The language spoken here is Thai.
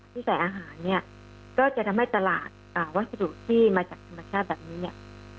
ที่ใส่อาหารเนี่ยก็จะทำให้ตลาดวัสดุที่มาจากธรรมชาติแบบนี้เนี่ย